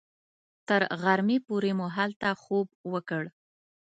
تر غرمې پورې مو هلته خوب وکړ.